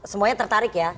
semuanya tertarik ya